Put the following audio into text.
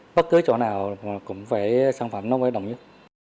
và bất cứ chỗ nào cũng phải sản phẩm nông dân đồng nhất